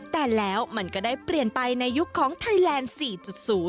แต่แล้วมันก็ได้เปลี่ยนไปในยุคของไทยแลนด์๔๐